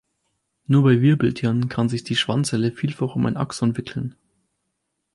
Nur bei Wirbeltieren kann sich die Schwann-Zelle vielfach um ein Axon wickeln.